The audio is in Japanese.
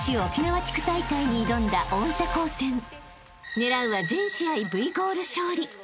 ［狙うは全試合Ｖゴール勝利］